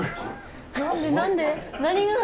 何で？